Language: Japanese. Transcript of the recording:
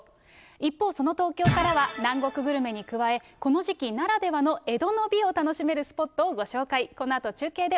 一方、その東京からは、南国グルメに加え、この時期ならではの江戸の美を楽しめるスポットをご紹介。